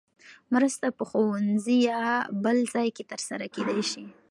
مرسته په ښوونځي یا بل ځای کې ترسره کېدای شي.